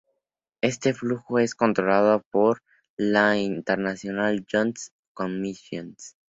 Este flujo es controlado por la International Joint Commission.